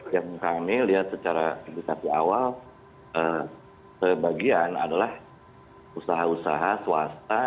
yang kami lihat secara edukasi awal sebagian adalah usaha usaha swasta